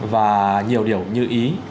và nhiều điều như ý